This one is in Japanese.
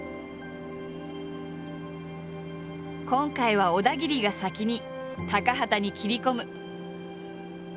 今回は小田切が先に高畑に切り込む。